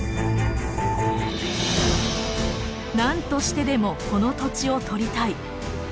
何としてでもこの土地をとりたい！